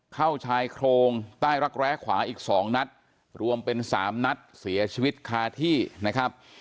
เข้าชายโครงใต้รักแร้ขวาอีกสองนัดรวมเป็นสามนัดเสียชีวิตคาที่นะครับ